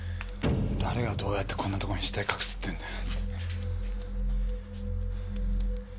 誰がどうやってこんなとこに死体隠すっていうんだよ。